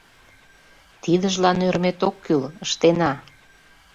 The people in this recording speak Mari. Тидыжлан ӧрмет ок кӱл, ыштена.